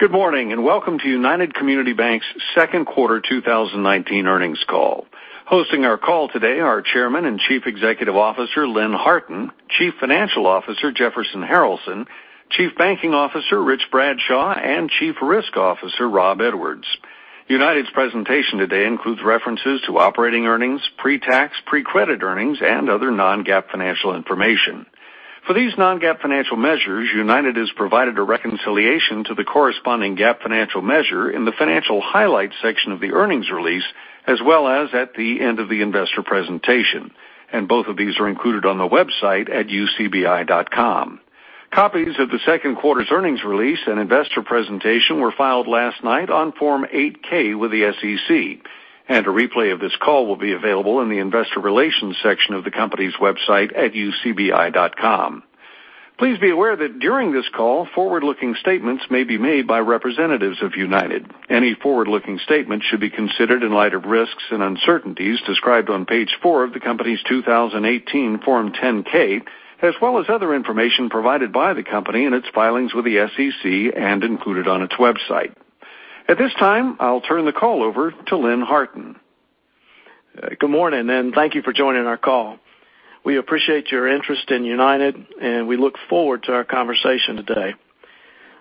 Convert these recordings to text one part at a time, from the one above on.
Good morning, and welcome to United Community Banks' second quarter 2019 earnings call. Hosting our call today are Chairman and Chief Executive Officer, Lynn Harton, Chief Financial Officer, Jefferson Harralson, Chief Banking Officer, Rich Bradshaw, and Chief Risk Officer, Rob Edwards. United's presentation today includes references to operating earnings, pre-tax, pre-credit earnings, and other non-GAAP financial information. For these non-GAAP financial measures, United has provided a reconciliation to the corresponding GAAP financial measure in the Financial Highlights section of the earnings release, as well as at the end of the investor presentation. Both of these are included on the website at ucbi.com. Copies of the second quarter's earnings release and investor presentation were filed last night on Form 8-K with the SEC, and a replay of this call will be available in the Investor Relations section of the company's website at ucbi.com. Please be aware that during this call, forward-looking statements may be made by representatives of United. Any forward-looking statements should be considered in light of risks and uncertainties described on page four of the company's 2018 Form 10-K, as well as other information provided by the company in its filings with the SEC and included on its website. At this time, I'll turn the call over to Lynn Harton. Good morning. Thank you for joining our call. We appreciate your interest in United, and we look forward to our conversation today.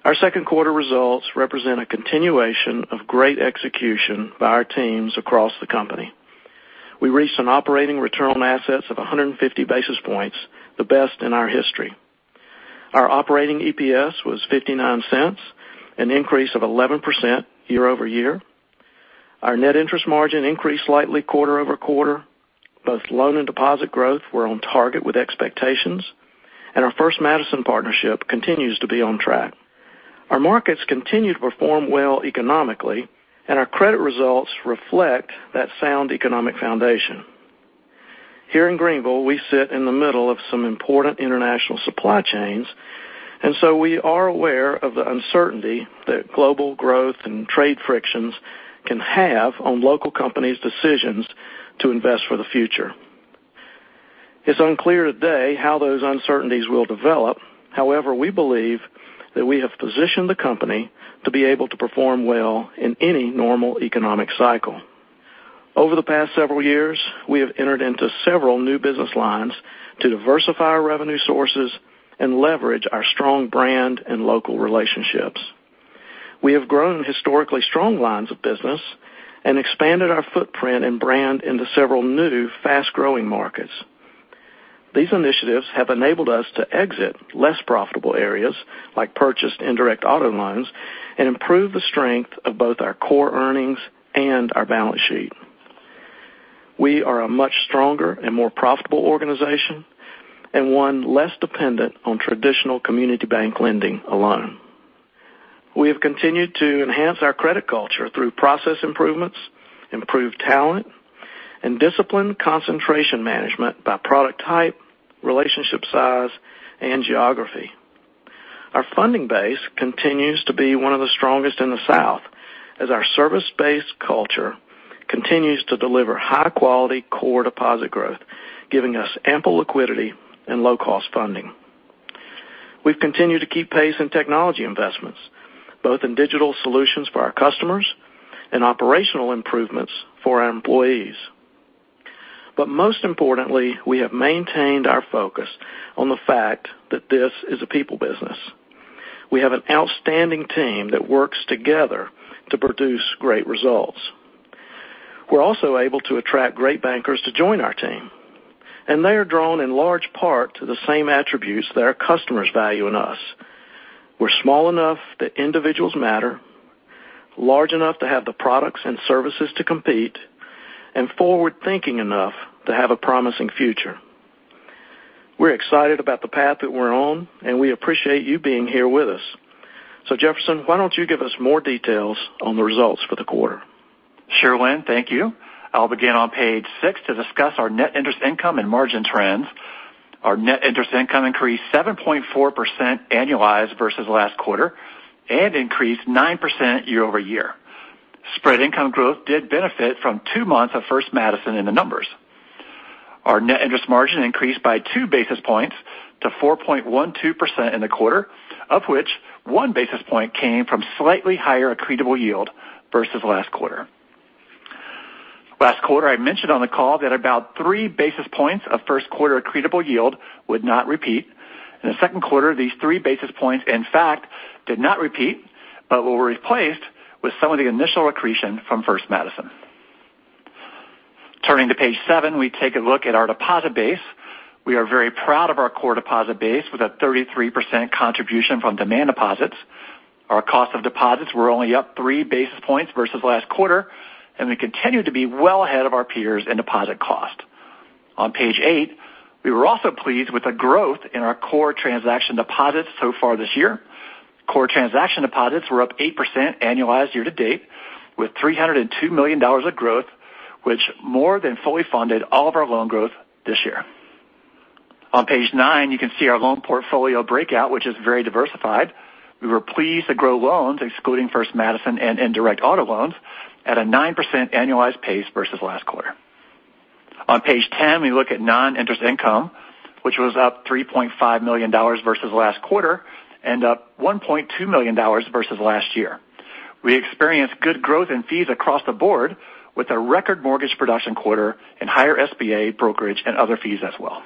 Our second quarter results represent a continuation of great execution by our teams across the company. We reached an operating return on assets of 150 basis points, the best in our history. Our operating EPS was $0.59, an increase of 11% year-over-year. Our net interest margin increased slightly quarter-over-quarter. Both loan and deposit growth were on target with expectations, and our First Madison partnership continues to be on track. Our markets continue to perform well economically, and our credit results reflect that sound economic foundation. Here in Greenville, we sit in the middle of some important international supply chains, and so we are aware of the uncertainty that global growth and trade frictions can have on local companies' decisions to invest for the future. It's unclear today how those uncertainties will develop. However, we believe that we have positioned the company to be able to perform well in any normal economic cycle. Over the past several years, we have entered into several new business lines to diversify our revenue sources and leverage our strong brand and local relationships. We have grown historically strong lines of business and expanded our footprint and brand into several new fast-growing markets. These initiatives have enabled us to exit less profitable areas, like purchased indirect auto loans, and improve the strength of both our core earnings and our balance sheet. We are a much stronger and more profitable organization and one less dependent on traditional community bank lending alone. We have continued to enhance our credit culture through process improvements, improved talent, and disciplined concentration management by product type, relationship size, and geography. Our funding base continues to be one of the strongest in the South, as our service-based culture continues to deliver high-quality core deposit growth, giving us ample liquidity and low-cost funding. We've continued to keep pace in technology investments, both in digital solutions for our customers and operational improvements for our employees. Most importantly, we have maintained our focus on the fact that this is a people business. We have an outstanding team that works together to produce great results. We're also able to attract great bankers to join our team, and they are drawn in large part to the same attributes that our customers value in us. We're small enough that individuals matter, large enough to have the products and services to compete, and forward-thinking enough to have a promising future. We're excited about the path that we're on. We appreciate you being here with us. Jefferson, why don't you give us more details on the results for the quarter? Sure, Lynn. Thank you. I'll begin on page six to discuss our net interest income and margin trends. Our net interest income increased 7.4% annualized versus last quarter and increased 9% year-over-year. Spread income growth did benefit from two months of First Madison in the numbers. Our net interest margin increased by 2 basis points to 4.12% in the quarter, of which 1 basis point came from slightly higher accretable yield versus last quarter. Last quarter, I mentioned on the call that about 3 basis points of first quarter accretable yield would not repeat. In the second quarter, these 3 basis points, in fact, did not repeat, but were replaced with some of the initial accretion from First Madison. Turning to page seven, we take a look at our deposit base. We are very proud of our core deposit base with a 33% contribution from demand deposits. Our cost of deposits were only up three basis points versus last quarter. We continue to be well ahead of our peers in deposit cost. On page eight, we were also pleased with the growth in our core transaction deposits so far this year. Core transaction deposits were up 8% annualized year to date, with $302 million of growth, which more than fully funded all of our loan growth this year. On page nine, you can see our loan portfolio breakout, which is very diversified. We were pleased to grow loans, excluding First Madison and indirect auto loans, at a 9% annualized pace versus last quarter. On page 10, we look at non-interest income, which was up $3.5 million versus last quarter. Up $1.2 million versus last year. We experienced good growth in fees across the board with a record mortgage production quarter and higher SBA brokerage and other fees as well.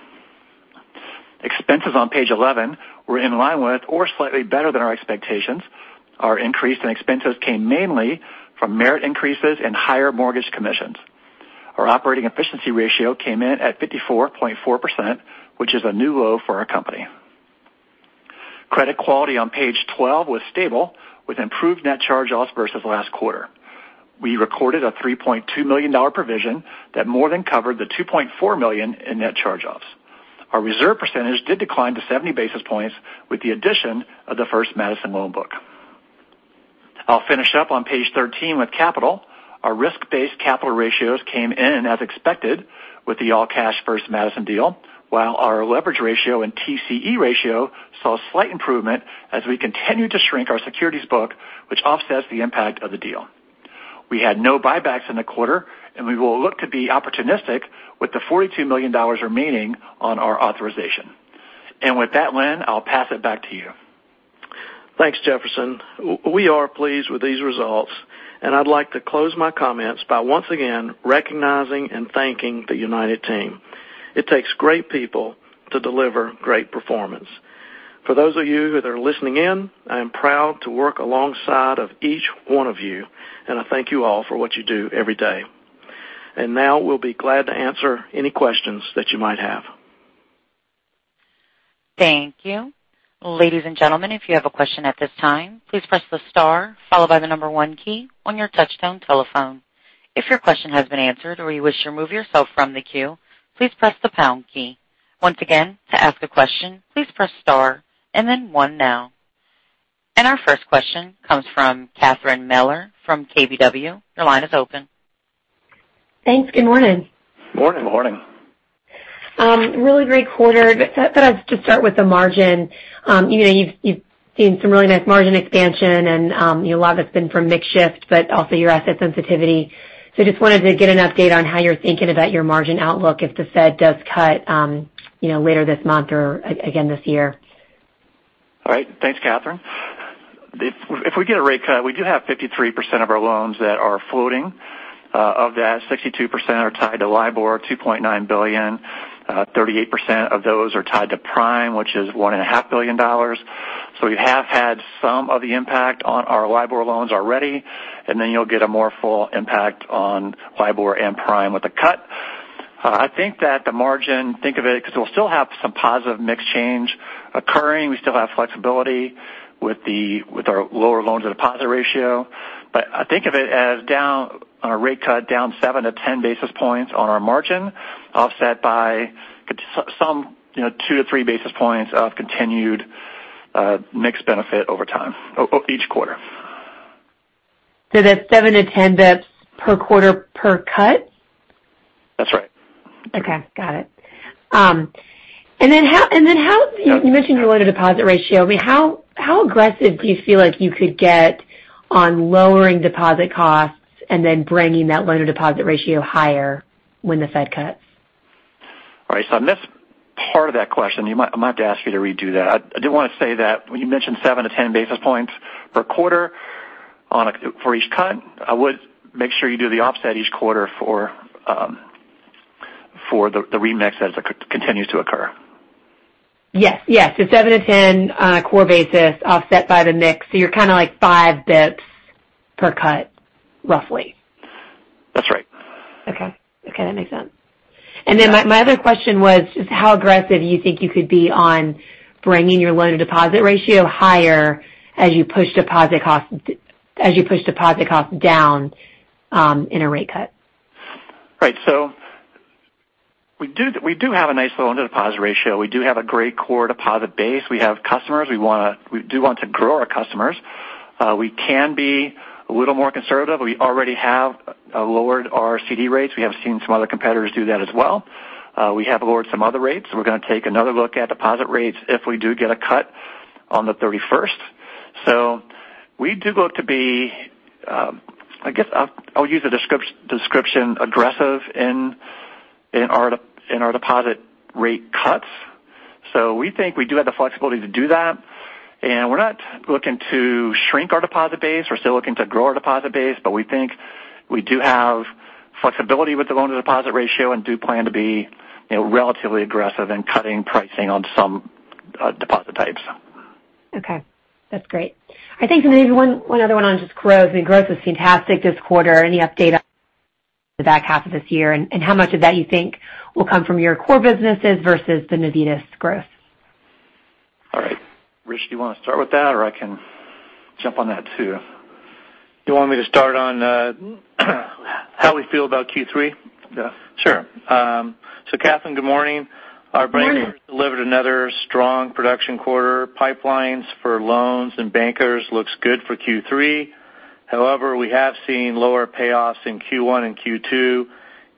Expenses on page 11 were in line with or slightly better than our expectations. Our increase in expenses came mainly from merit increases and higher mortgage commissions. Our operating efficiency ratio came in at 54.4%, which is a new low for our company. Credit quality on page 12 was stable with improved net charge-offs versus last quarter. We recorded a $3.2 million provision that more than covered the $2.4 million in net charge-offs. Our reserve percentage did decline to 70 basis points with the addition of the First Madison loan book. I'll finish up on page 13 with capital. Our risk-based capital ratios came in as expected with the all-cash First Madison deal, while our leverage ratio and TCE ratio saw a slight improvement as we continue to shrink our securities book, which offsets the impact of the deal. We had no buybacks in the quarter, and we will look to be opportunistic with the $42 million remaining on our authorization. With that, Lynn, I'll pass it back to you. Thanks, Jefferson. We are pleased with these results, and I'd like to close my comments by once again recognizing and thanking the United Team. It takes great people to deliver great performance. For those of you who are listening in, I am proud to work alongside of each one of you, and I thank you all for what you do every day. Now we'll be glad to answer any questions that you might have. Thank you. Ladies and gentlemen, if you have a question at this time, please press the star followed by the number one key on your touch-tone telephone. If your question has been answered or you wish to remove yourself from the queue, please press the pound key. Once again, to ask a question, please press star and then one now. Our first question comes from Catherine Mealor from KBW. Your line is open. Thanks. Good morning. Morning. Morning. Really great quarter. Thought I'd just start with the margin. You've seen some really nice margin expansion and a lot of it's been from mix shift, but also your asset sensitivity. Just wanted to get an update on how you're thinking about your margin outlook if the Fed does cut later this month or again this year. All right. Thanks, Catherine. If we get a rate cut, we do have 53% of our loans that are floating. Of that, 62% are tied to LIBOR, $2.9 billion. 38% of those are tied to Prime, which is $1.5 billion. We have had some of the impact on our LIBOR loans already, and then you'll get a more full impact on LIBOR and Prime with a cut. I think that the margin, think of it, because we'll still have some positive mix change occurring. We still have flexibility with our lower loan-to-deposit ratio. Think of it as on a rate cut down 7 to 10 basis points on our margin, offset by some 2 to 3 basis points of continued mix benefit over time, each quarter. That's seven basis points-10 basis points per quarter per cut? That's right. Okay. Got it. You mentioned your loan-to-deposit ratio. How aggressive do you feel like you could get on lowering deposit costs and then bringing that loan-to-deposit ratio higher when the Fed cuts? All right. I missed part of that question. I might have to ask you to redo that. I do want to say that when you mentioned 7-10 basis points per quarter for each cut, I would make sure you do the offset each quarter for the remix as it continues to occur. Yes. seven to 10 core basis points offset by the mix, so you're kind of like five basis points per cut, roughly. That's right. Okay. That makes sense. My other question was just how aggressive do you think you could be on bringing your loan-to-deposit ratio higher as you push deposit costs down in a rate cut? Right. We do have a nice loan-to-deposit ratio. We do have a great core deposit base. We have customers. We do want to grow our customers. We can be a little more conservative. We already have lowered our CD rates. We have seen some other competitors do that as well. We have lowered some other rates. We're going to take another look at deposit rates if we do get a cut on the 31st. We do look to be, I guess I'll use the description, aggressive in our deposit rate cuts. We think we do have the flexibility to do that, and we're not looking to shrink our deposit base. We're still looking to grow our deposit base, but we think we do have flexibility with the loan-to-deposit ratio and do plan to be relatively aggressive in cutting pricing on some deposit types. Okay. That's great. I think maybe one other one on just growth, and growth was fantastic this quarter. Any update on the back half of this year, and how much of that you think will come from your core businesses versus the Navitas growth? All right. Rich, do you want to start with that, or I can jump on that too? You want me to start on how we feel about Q3? Yeah. Sure. Catherine, good morning. Morning. Our bank delivered another strong production quarter. Pipelines for loans and bankers looks good for Q3. However, we have seen lower payoffs in Q1 and Q2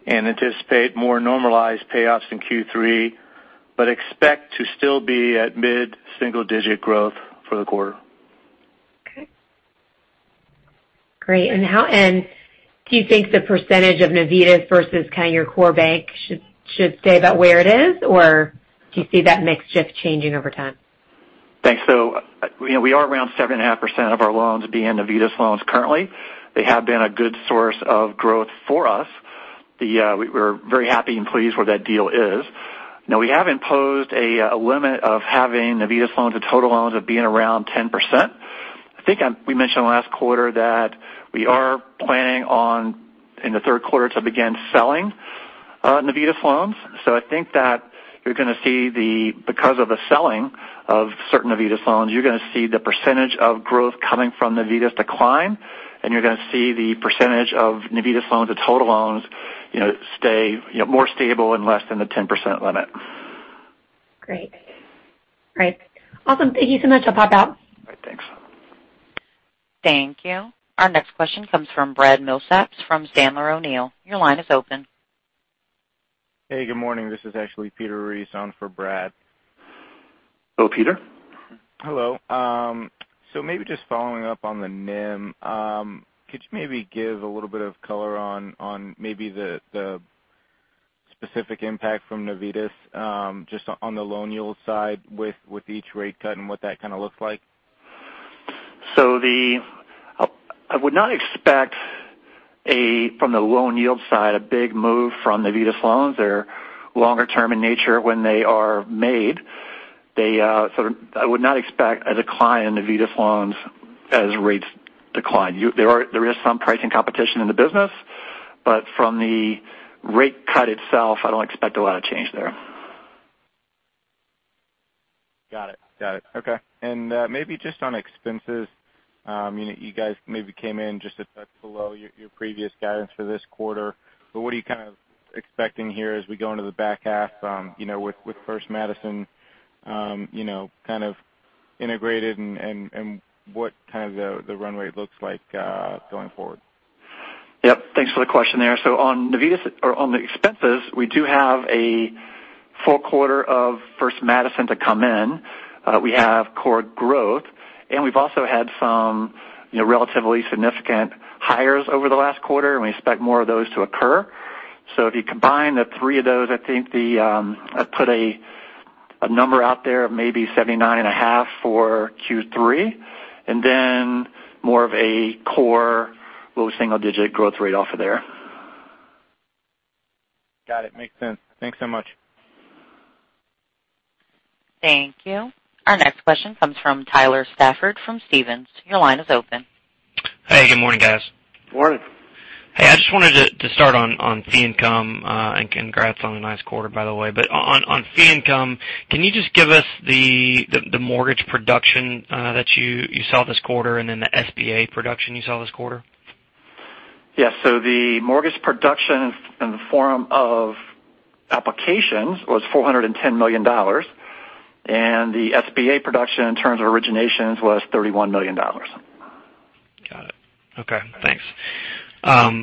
and anticipate more normalized payoffs in Q3, but expect to still be at mid-single digit growth for the quarter. Okay. Great. Do you think the percentage of Navitas versus your core bank should stay about where it is, or do you see that mix just changing over time? Thanks. We are around 7.5% of our loans being Navitas loans currently. They have been a good source of growth for us. We are very happy and pleased where that deal is. We have imposed a limit of having Navitas loans of total loans of being around 10%. I think we mentioned last quarter that we are planning on, in the third quarter, to begin selling Navitas loans. I think that because of the selling of certain Navitas loans, you are going to see the percentage of growth coming from Navitas decline, and you are going to see the percentage of Navitas loans of total loans more stable and less than the 10% limit. Great. Awesome. Thank you so much. I'll pop out. All right, thanks. Thank you. Our next question comes from Brad Milsaps, from Sandler O'Neill. Your line is open. Hey, good morning. This is actually Peter Reese on for Brad. Hello, Peter. Hello. Maybe just following up on the NIM. Could you maybe give a little bit of color on maybe the specific impact from Navitas, just on the loan yield side with each rate cut and what that kind of looks like? I would not expect from the loan yield side, a big move from Navitas loans. They're longer term in nature when they are made. I would not expect a decline in Navitas loans as rates decline. There is some pricing competition in the business, but from the rate cut itself, I don't expect a lot of change there. Got it. Okay. Maybe just on expenses, you guys maybe came in just a touch below your previous guidance for this quarter, but what are you kind of expecting here as we go into the back half with First Madison kind of integrated and what kind of the runway looks like going forward? Yep. Thanks for the question there. On the expenses, we do have a full quarter of First Madison to come in. We have core growth, and we've also had some relatively significant hires over the last quarter, and we expect more of those to occur. If you combine the three of those, I'd put a number out there of maybe $79.5 for Q3, and then more of a core, low single digit growth rate off of there. Got it. Makes sense. Thanks so much. Thank you. Our next question comes from Tyler Stafford from Stephens. Your line is open. Hey, good morning, guys. Morning. Hey, I just wanted to start on fee income. Congrats on the nice quarter, by the way. On fee income, can you just give us the mortgage production that you saw this quarter and then the SBA production you saw this quarter? Yeah. The mortgage production in the form of applications was $410 million, and the SBA production in terms of originations was $31 million. Got it. Okay, thanks. I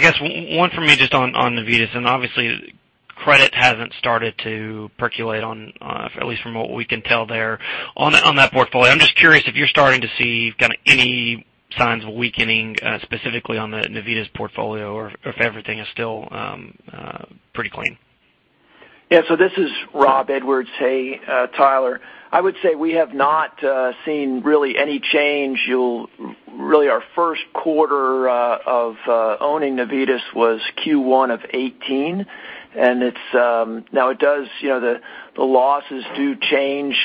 guess one for me just on Navitas, and obviously credit hasn't started to percolate on, at least from what we can tell there on that portfolio. I'm just curious if you're starting to see kind of any signs of weakening specifically on the Navitas portfolio or if everything is still pretty clean. This is Rob Edwards. Hey, Tyler. I would say we have not seen really any change. Really our first quarter of owning Navitas was Q1 of 2018. The losses do change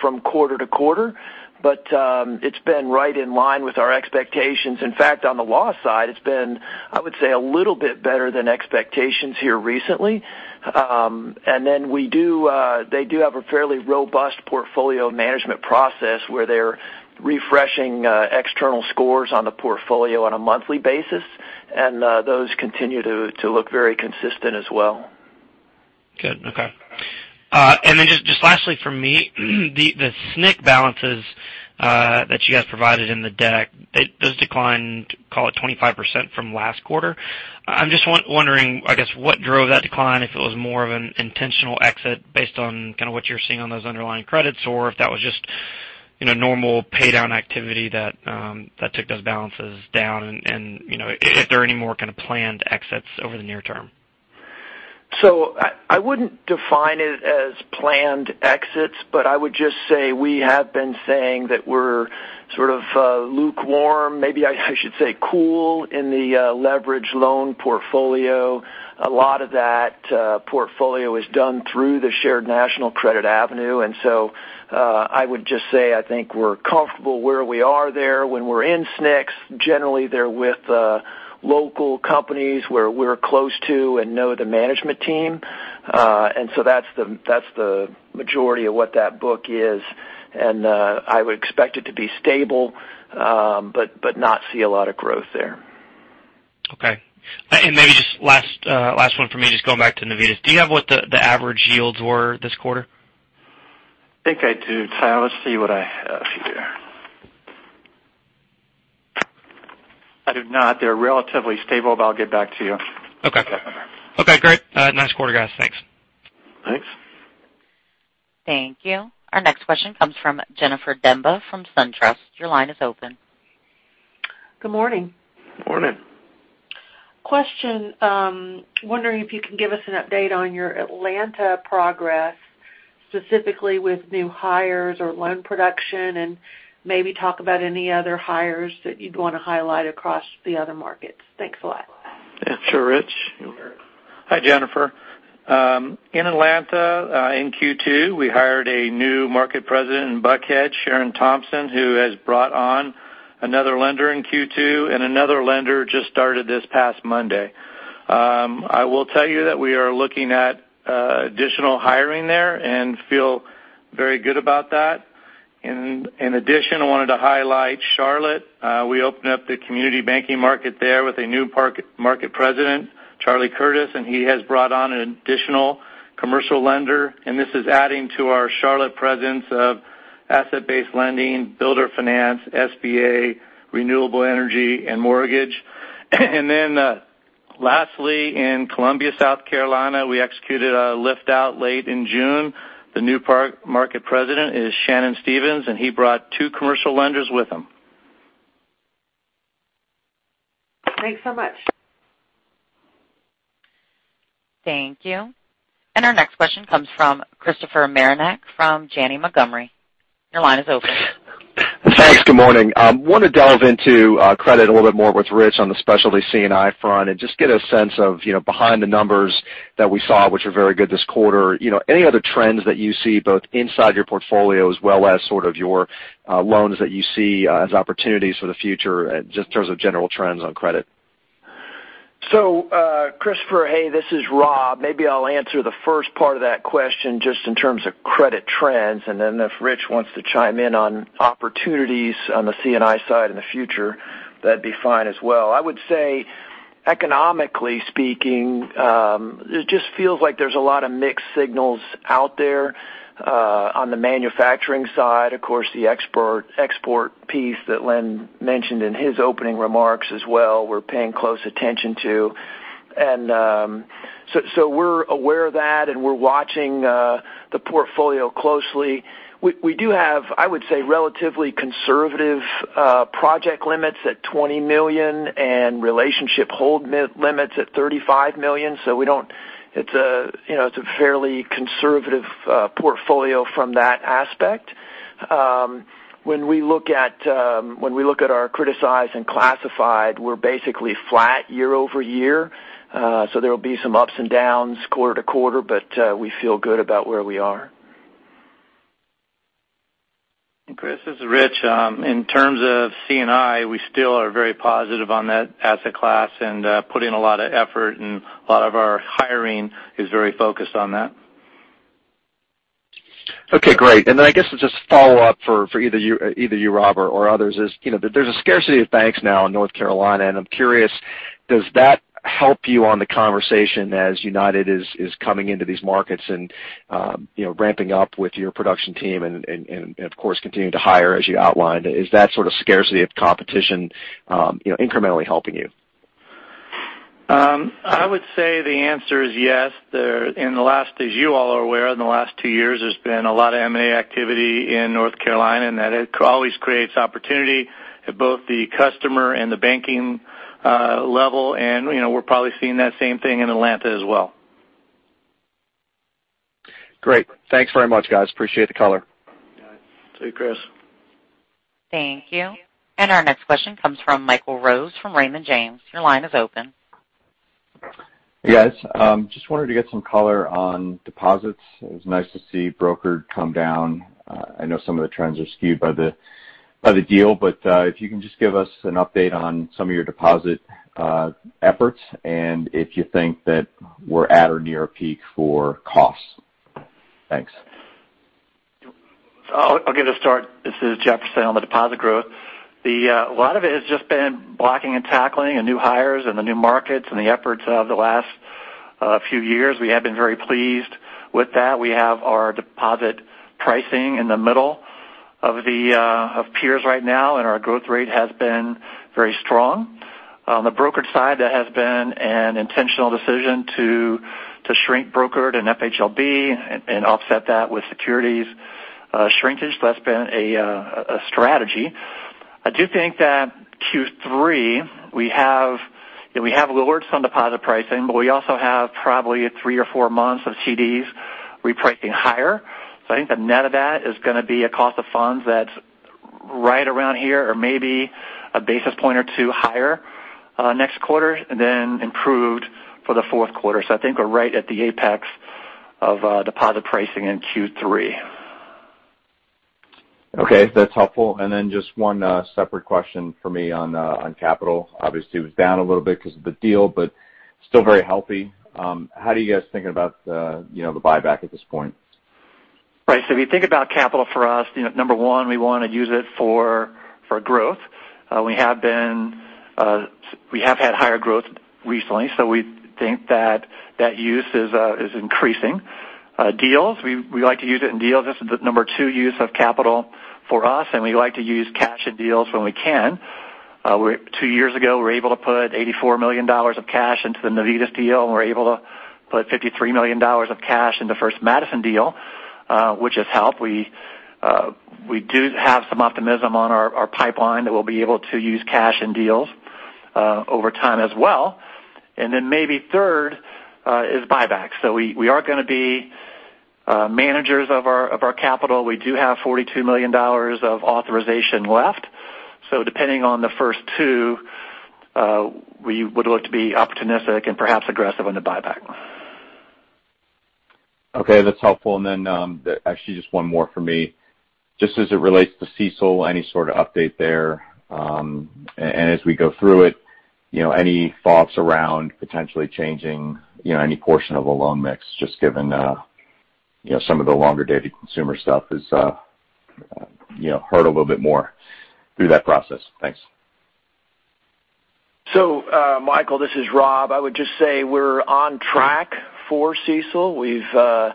from quarter to quarter, but it's been right in line with our expectations. In fact, on the loss side, it's been, I would say, a little bit better than expectations here recently. Then they do have a fairly robust portfolio management process where they're refreshing external scores on the portfolio on a monthly basis, and those continue to look very consistent as well. Good. Okay. Just lastly from me, the SNC balances that you guys provided in the deck, it does decline, call it 25% from last quarter. I'm just wondering, I guess, what drove that decline, if it was more of an intentional exit based on what you're seeing on those underlying credits, or if that was just normal pay down activity that took those balances down and if there are any more kind of planned exits over the near term. I wouldn't define it as planned exits, but I would just say we have been saying that we're sort of lukewarm, maybe I should say cool in the leverage loan portfolio. A lot of that portfolio is done through the Shared National Credit avenue. I would just say I think we're comfortable where we are there. When we're in SNCs, generally they're with local companies where we're close to and know the management team. That's the majority of what that book is, and I would expect it to be stable, but not see a lot of growth there. Okay. Maybe just last one for me, just going back to Navitas. Do you have what the average yields were this quarter? I think I do, Tyler. Let's see what I have here. I do not. They're relatively stable, but I'll get back to you. Okay. Okay. Okay, great. Nice quarter, guys. Thanks. Thanks. Thank you. Our next question comes from Jennifer Demba from SunTrust. Your line is open. Good morning. Morning. Question. Wondering if you can give us an update on your Atlanta progress, specifically with new hires or loan production, and maybe talk about any other hires that you'd want to highlight across the other markets? Thanks a lot. Yeah. Sure, Rich? Hi, Jennifer. In Atlanta, in Q2, we hired a new market president in Buckhead, Sharon Thompson, who has brought on another lender in Q2. Another lender just started this past Monday. I will tell you that we are looking at additional hiring there and feel very good about that. In addition, I wanted to highlight Charlotte. We opened up the community banking market there with a new market president, Charlie Curtis. He has brought on an additional commercial lender. This is adding to our Charlotte presence of asset-based lending, builder finance, SBA, renewable energy, and mortgage. Lastly, in Columbia, South Carolina, we executed a lift-out late in June. The new market president is Shannon Stevens. He brought two commercial lenders with him. Thanks so much. Thank you. Our next question comes from Christopher Marinac from Janney Montgomery. Your line is open. Thanks. Good morning. Wanted to delve into credit a little bit more with Rich on the specialty C&I front and just get a sense of behind the numbers that we saw, which were very good this quarter. Any other trends that you see, both inside your portfolio as well as sort of your loans that you see as opportunities for the future, just in terms of general trends on credit? Christopher, hey, this is Rob. Maybe I'll answer the first part of that question just in terms of credit trends, and then if Rich wants to chime in on opportunities on the C&I side in the future, that'd be fine as well. I would say economically speaking, it just feels like there's a lot of mixed signals out there on the manufacturing side. Of course, the export piece that Lynn mentioned in his opening remarks as well, we're paying close attention to. We're aware of that, and we're watching the portfolio closely. We do have, I would say, relatively conservative project limits at $20 million and relationship hold limits at $35 million. It's a fairly conservative portfolio from that aspect. When we look at our criticize and classified, we're basically flat year-over-year. There'll be some ups and downs quarter to quarter, but we feel good about where we are. Chris, this is Rich. In terms of C&I, we still are very positive on that asset class and putting a lot of effort, and a lot of our hiring is very focused on that. Okay, great. I guess just a follow-up for either you, Rob, or others is, there's a scarcity of banks now in North Carolina, and I'm curious, does that help you on the conversation as United is coming into these markets and ramping up with your production team and of course, continuing to hire as you outlined? Is that sort of scarcity of competition incrementally helping you? I would say the answer is yes. As you all are aware, in the last two years, there's been a lot of M&A activity in North Carolina, and that it always creates opportunity at both the customer and the banking level, and we're probably seeing that same thing in Atlanta as well. Great. Thanks very much, guys. Appreciate the color. All right. See you, Chris. Thank you. Our next question comes from Michael Rose from Raymond James. Your line is open. Yes. Just wanted to get some color on deposits. It was nice to see brokered come down. I know some of the trends are skewed by the deal, but if you can just give us an update on some of your deposit efforts and if you think that we're at or near a peak for costs. Thanks. I'll give it a start. This is Jeff Harralson. On the deposit growth. A lot of it has just been blocking and tackling and new hires and the new markets and the efforts of the last few years. We have been very pleased with that. We have our deposit pricing in the middle of peers right now, and our growth rate has been very strong. On the brokered side, that has been an intentional decision to shrink brokered and FHLB and offset that with securities shrinkage. That's been a strategy. I do think that Q3, we have lowered some deposit pricing, but we also have probably three or four months of CDs repricing higher. I think the net of that is going to be a cost of funds that's right around here or maybe a basis point or two higher next quarter and then improved for the fourth quarter. I think we're right at the apex of deposit pricing in Q3. Okay. That's helpful. Then just one separate question from me on capital. Obviously, it was down a little bit because of the deal, but still very healthy. How do you guys think about the buyback at this point? Right. If you think about capital for us, number one, we want to use it for growth. We have had higher growth recently, so we think that that use is increasing. Deals, we like to use it in deals. This is the number two use of capital for us, and we like to use cash in deals when we can. Two years ago, we were able to put $84 million of cash into the Navitas deal, and we were able to put $53 million of cash in the First Madison deal, which has helped. We do have some optimism on our pipeline that we'll be able to use cash in deals over time as well. Maybe third is buybacks. We are going to be managers of our capital. We do have $42 million of authorization left. Depending on the first two, we would look to be opportunistic and perhaps aggressive on the buyback. Okay, that's helpful. Actually just one more for me. Just as it relates to CECL, any sort of update there? As we go through it, any thoughts around potentially changing any portion of the loan mix, just given some of the longer dated consumer stuff has hurt a little bit more through that process? Thanks. Michael Rose, this is Rob Edwards. I would just say we're on track for CECL.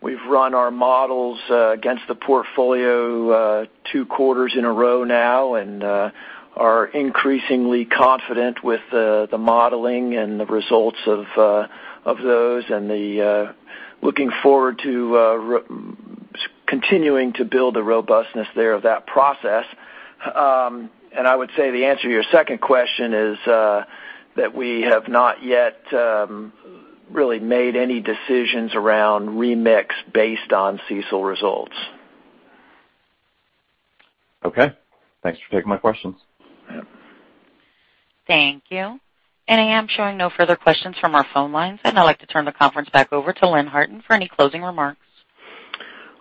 We've run our models against the portfolio two quarters in a row now and are increasingly confident with the modeling and the results of those and looking forward to continuing to build the robustness there of that process. I would say the answer to your second question is that we have not yet really made any decisions around remix based on CECL results. Okay. Thanks for taking my questions. Thank you. I am showing no further questions from our phone lines, and I'd like to turn the conference back over to Lynn Harton for any closing remarks.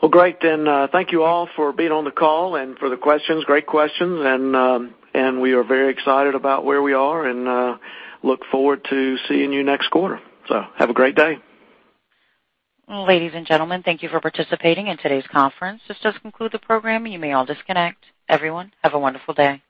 Well, great. Thank you all for being on the call and for the questions. Great questions. We are very excited about where we are and look forward to seeing you next quarter. Have a great day. Ladies and gentlemen, thank you for participating in today's conference. This does conclude the program. You may all disconnect. Everyone, have a wonderful day.